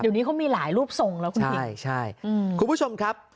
อันนี้เขามีหลายรูปส่งแล้วคุณผู้ชมครับ